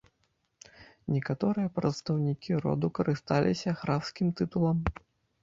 Некаторыя прадстаўнікі роду карысталіся графскім тытулам.